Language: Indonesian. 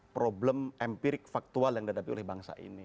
problem empirik faktual yang dihadapi oleh bangsa ini